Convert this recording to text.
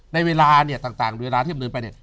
ในเวลาเนี่ยต่างเวลาที่ดำเนินไปเนี่ย